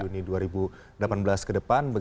dua juni dua ribu delapan belas ke depan